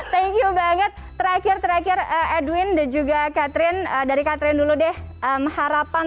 thank you banget terakhir terakhir edwin dan juga catherine dari catherine dulu deh harapan